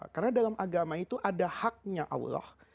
karena dalam agama itu ada haknya allah